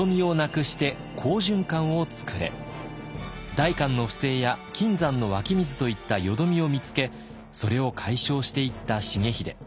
代官の不正や金山の湧き水といった淀みを見つけそれを解消していった重秀。